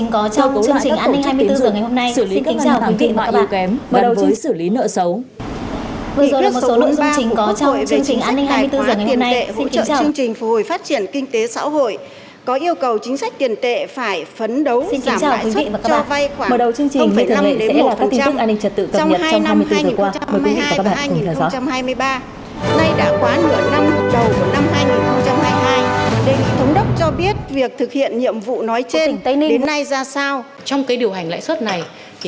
cơ cấu lại các tổ chức tiến dụng xử lý các ngân hàng thẳng thị mạng yếu kém gần với xử lý nợ xấu